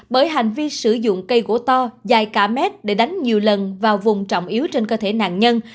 bởi hành vi sử dụng cây gỗ to dài cả mét để đánh nhiều lần vào vùng trọng yếu trên cơ thể nạn nhân